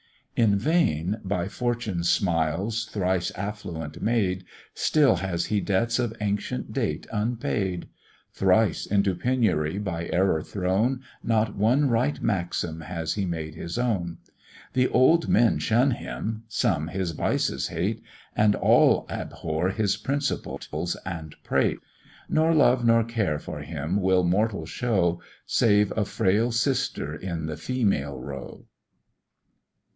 In vain, by fortune's smiles, thrice affluent made, Still has he debts of ancient date unpaid; Thrice into penury by error thrown, Not one right maxim has he made his own; The old men shun him, some his vices hate, And all abhor his principles and prate; Nor love nor care for him will mortal show, Save a frail sister in the female row.